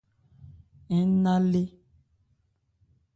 Ń na lé.